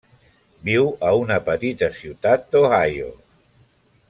Viu una petita ciutat d'Ohio.